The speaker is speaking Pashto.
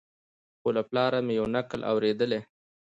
خو له پلاره مي یو نکل اورېدلی